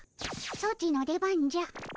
ソチの出番じゃ。